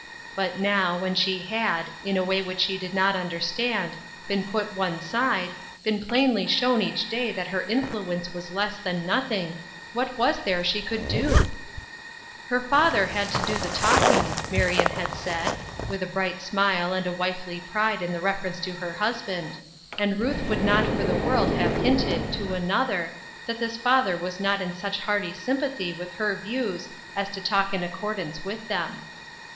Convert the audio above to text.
But now, when she had, in a way which she did not understand, been put one side, been plainly shown each day that her influence was less than nothing, what was there she could do ?" Her father had to do the talking," Marion had said, with a bright smile and a wifely pride in the reference to her husband, and Ruth would not for the world have hinted, to another, that this father was not in such hearty sympathy with her views as to talk in accordance with them.